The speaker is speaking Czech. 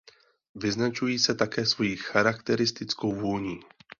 Vyznačují se také svojí charakteristickou vůní.